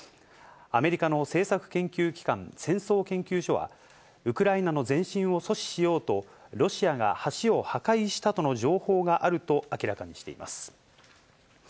アメリカの政策研究機関、戦争研究所は、ウクライナの前進を阻止しようと、ロシアが橋を破壊したとの情報があると明らかにしています。